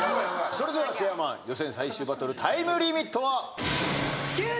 それではチェアマン予選最終バトルタイムリミットは？